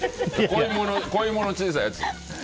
小芋の小さいやつ。